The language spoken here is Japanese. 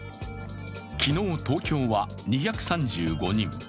昨日、東京は２３５人。